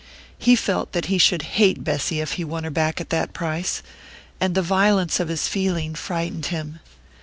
He felt that he should hate Bessy if he won her back at that price; and the violence of his feeling frightened him.